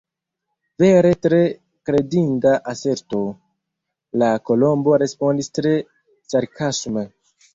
"Vere tre kredinda aserto!" la Kolombo respondis tre sarkasme. "